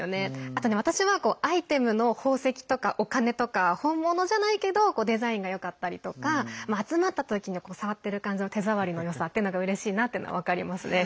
あと、私はアイテムの宝石とかお金とか本物じゃないけどデザインがよかったりとか集まったときに触ってる感じの手触りのよさっていうのがうれしいなというのは分かりますね。